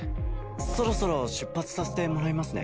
そろそろ出発させてもらいますね。